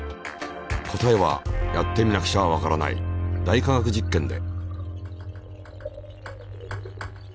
答えはやってみなくちゃわからない「大科学実験」で。